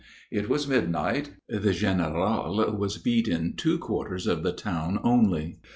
It was midnight. The generale was beat in two quarters of the town only.